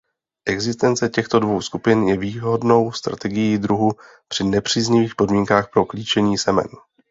Existence těchto dvou skupin je výhodnou strategií druhu při nepříznivých podmínkách pro klíčení semen.